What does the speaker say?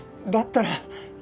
だったら。